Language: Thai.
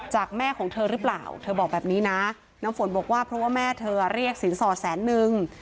แม่ของเธอหรือเปล่าเธอบอกแบบนี้นะน้ำฝนบอกว่าเพราะว่าแม่เธอเรียกสินสอดแสนนึง